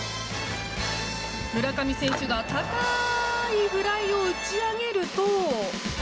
村上選手が高ーいフライを打ち上げると。